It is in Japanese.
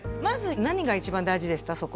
まず何が一番大事でした？